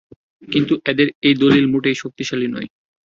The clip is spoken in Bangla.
কিন্তু তাঁদের এই দলীল মোটেই শক্তিশালী নয়।